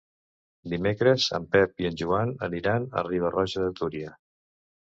Dimecres en Pep i en Joan aniran a Riba-roja de Túria.